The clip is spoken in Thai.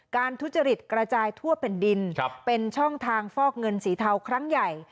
ทุจริตกระจายทั่วแผ่นดินเป็นช่องทางฟอกเงินสีเทาครั้งใหญ่